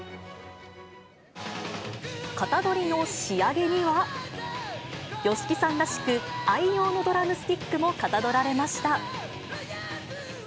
型取りの仕上げには、ＹＯＳＨＩＫＩさんらしく、愛用のドラムスティックも型取られました。